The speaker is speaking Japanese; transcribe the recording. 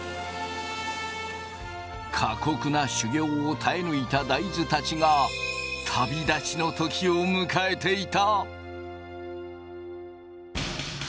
過酷な修業を耐え抜いた大豆たちがを迎えていた。